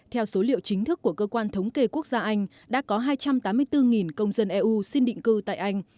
theo số liệu chính thức của cơ quan thống kê quốc gia anh đã có hai trăm tám mươi bốn công dân eu xin định cư tại anh